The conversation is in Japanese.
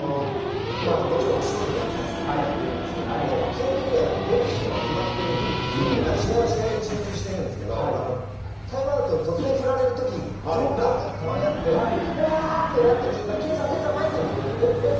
もちろんお仕事で見させていただいてるんですけど、基本的には出るとこは決まってるんですよね、だから試合は試合に集中してるんですけど、タイムアウトに突然振られるとき、たまにあって、うわーってなってる状態で、圭さん、圭さん、マイクって言われて、えっ？